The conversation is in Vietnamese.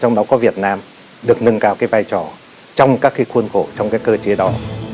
trong đó có việt nam được nâng cao cái vai trò trong các cái khuôn khổ trong cái cơ chế đó